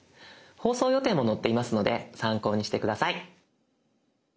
放送予定も載っていますので参考にして下さい。